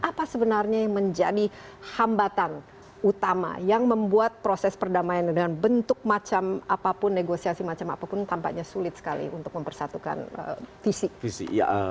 apa sebenarnya yang menjadi hambatan utama yang membuat proses perdamaian dengan bentuk macam apapun negosiasi macam apapun tampaknya sulit sekali untuk mempersatukan fisik